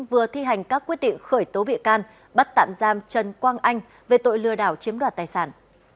vừa thi hành các quyết định khởi tố bị can bắt tạm giam trần quang anh về tội lừa đảo chiếm đoạt tài sản